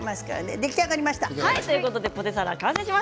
出来上がりました。